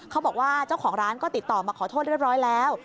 เขาบอกว่าเจ้าของร้านก็ติดต่อมาขอโทษเรียบร้อยแล้ว